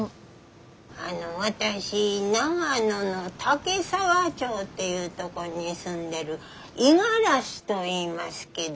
あの私長野の岳沢町っていうとこに住んでる五十嵐といいますけど。